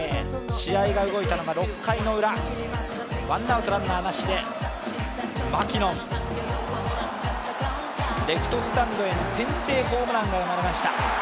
試合が動いたのが６回ウラ、ワンアウトランナーなしでマキノン、レフトスタンドへ先制ホームランが生まれました。